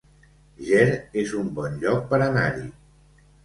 Ger es un bon lloc per anar-hi